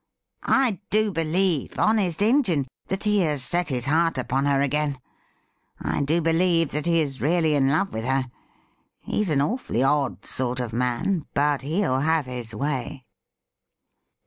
I do believe, honest Injin, that he has Set his heart upon her again. I do believe that he is really" in love with her. He's an awfully odd sort of man, but he'll have his way.'